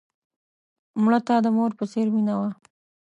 مړه ته د مور په څېر مینه وه